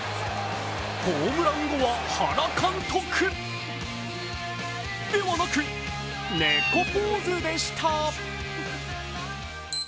ホームラン後は原監督ではなく猫ポーズでした。